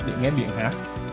để nghe biển hát